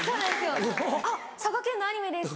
「あっ佐賀県のアニメです」